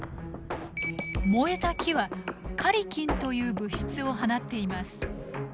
燃えた木はカリキンという物質を放っています。